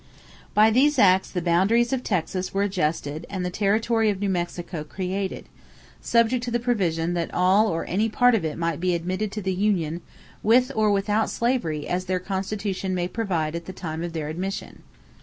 By these acts the boundaries of Texas were adjusted and the territory of New Mexico created, subject to the provision that all or any part of it might be admitted to the union "with or without slavery as their constitution may provide at the time of their admission."